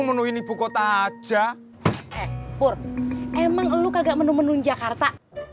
eh pur emang lu kagak menun nun jakarta